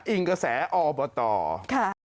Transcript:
อิงกระแสอออบตร